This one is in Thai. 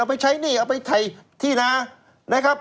เอาไปใช้หนี้เอาไปไทยที่นา